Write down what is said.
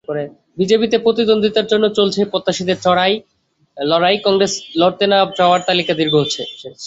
বিজেপিতে প্রতিদ্বন্দ্বিতার জন্য চলছে প্রত্যাশীদের লড়াই, কংগ্রেসে লড়তে না-চাওয়ার তালিকা দীর্ঘ হচ্ছে।